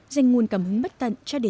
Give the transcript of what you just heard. dành nguồn cảm hứng bất tận cho địa chỉ